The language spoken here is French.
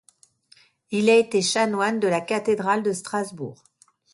Il a été chanoine de la cathédrale de Strasbourg.